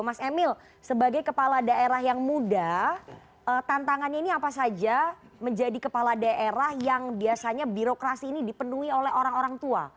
mas emil sebagai kepala daerah yang muda tantangannya ini apa saja menjadi kepala daerah yang biasanya birokrasi ini dipenuhi oleh orang orang tua